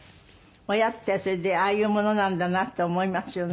親ってそれでああいうものなんだなって思いますよね。